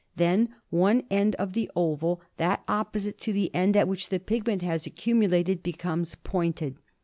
Then one end of the oval, that opposite to the end at which the pigment has accumu lated, becomes pointed.